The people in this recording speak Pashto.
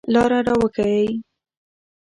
لار را ښایئ